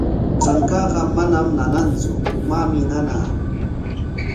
Trankaaqa manam nanantsu, umaami nana.